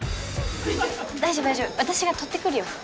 大丈夫大丈夫私が取ってくるよ